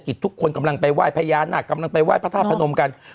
เศรษฐศจิตทุกคนกำลังไปว่ายพญานาคกำลังไปว่ายพระท่าพนมกัน